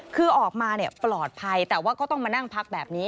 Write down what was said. คือออกมาปลอดภัยแต่ว่าก็ต้องมานั่งพักแบบนี้